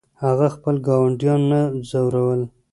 هغه خپل ګاونډیان نه ځورول.